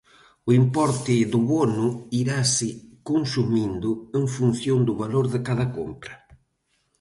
O importe do bono irase consumindo en función do valor de cada compra.